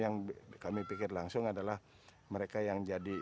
yang kami pikir langsung adalah mereka yang jadi